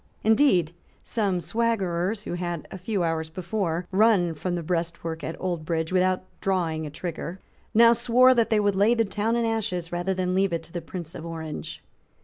Indeed some swaggerers, who had, a few hours before, run from the breastwork at Oldbridge without drawing a trigger, now swore that they would lay the town in ashes rather than leave it to the Prince of Orange.